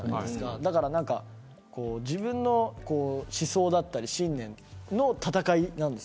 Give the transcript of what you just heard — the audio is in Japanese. だから自分の思想や信念の戦いなんです。